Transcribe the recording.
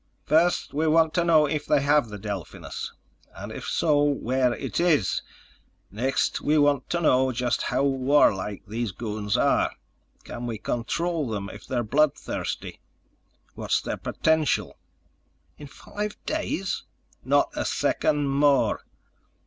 First, we want to know if they have the Delphinus ... and if so, where it is. Next, we want to know just how warlike these goons are. Can we control them if they're bloodthirsty. What's their potential?" "In five days?" "Not a second more."